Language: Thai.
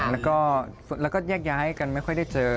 แล้วก็แยกย้ายกันไม่ค่อยได้เจอ